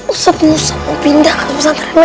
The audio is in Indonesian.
ustaz musa mau pindah ke pusat renang